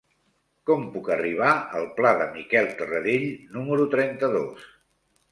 Com puc arribar al pla de Miquel Tarradell número trenta-dos?